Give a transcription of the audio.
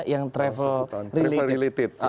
yang travel related